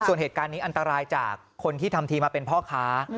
ส่วนเหตุการณ์นี้อันตรายจากคนที่ทำทีมาเป็นพ่อค้า